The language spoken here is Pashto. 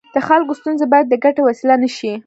د خلکو ستونزې باید د ګټې وسیله نه شي.